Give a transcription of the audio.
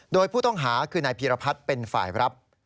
โดยผู้ต้องหาคือนายพีรพัฒน์เป็นฝ่ายรับ